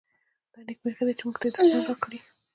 دا نېکمرغي ده چې موږ ته یې دوستان راکړي.